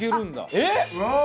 えっ！